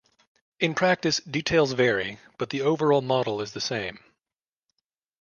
In practice, details vary, but the overall model is the same.